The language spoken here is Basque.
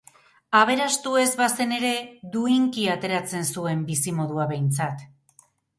Aberastu ez bazen ere, duinki ateratzen zuen bizimodua behintzat!